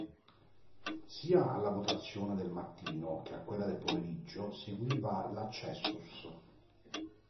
Sia alla votazione del mattino che a quella del pomeriggio seguiva l'accessus.